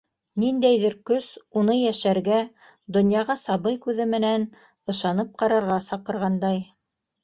Ниндәйҙер көс уны йәшәргә, донъяға сабый күҙе менән ышанып ҡарарға саҡырғандай.